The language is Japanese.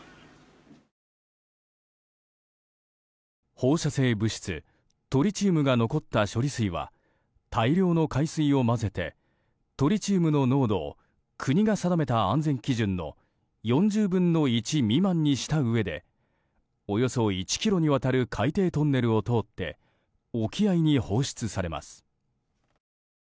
放射性物質トリチウムが残った処理水は大量の海水を混ぜてトリチウムの濃度を国が定めた安全基準の４０分の１未満にしたうえでおよそ１ｋｍにわたる海底トンネルを通って沖合に放出されます。